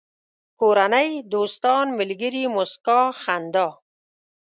کورنۍ، دوستان، ملگري، موسکا، خندا